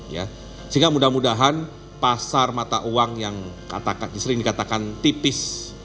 ya sehingga mudah mudahan pasar mata uang yang sering dikatakan tipis